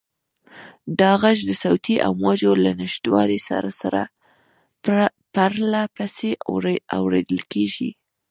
دا غږ د صوتي امواجو له نشتوالي سره سره پرله پسې اورېدل کېږي.